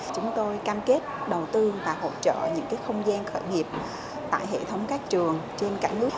chúng tôi cam kết đầu tư và hỗ trợ những không gian khởi nghiệp tại hệ thống các trường trên cả nước